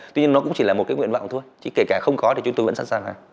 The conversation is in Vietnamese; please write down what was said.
tuy nhiên nó cũng chỉ là một cái nguyện vọng thôi chứ kể cả không có thì chúng tôi vẫn sẵn sàng làm